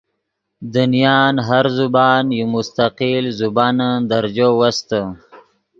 دنیان ہر زبان یو مستقل زبانن درجو وستے